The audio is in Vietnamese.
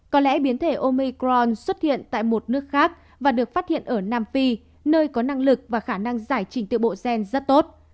có lẽ biến thể omicron xuất hiện tại một nước khác và được phát hiện ở nam phi nơi có năng lực và khả năng giải trình tự bộ gen rất tốt